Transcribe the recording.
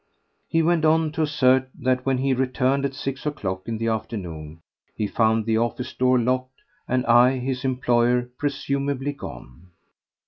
He went on to assert that when he returned at six o'clock in the afternoon he found the office door locked, and I—his employer—presumably gone.